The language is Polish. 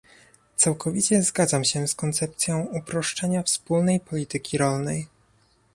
Całkowicie zgadzam się z koncepcją uproszczenia wspólnej polityki rolnej